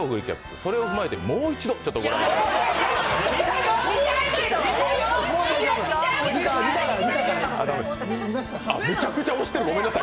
それを踏まえてもう一度ちょっと御覧ください。